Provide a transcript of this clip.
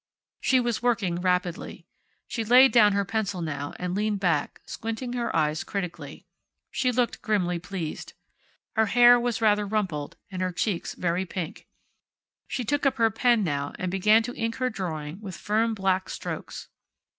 She was working rapidly. She laid down her pencil, now, and leaned back, squinting her eyes critically. She looked grimly pleased. Her hair was rather rumpled, and her cheeks very pink. She took up her pen, now, and began to ink her drawing with firm black strokes.